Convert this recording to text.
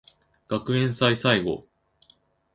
学園祭最後